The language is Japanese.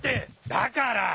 だから！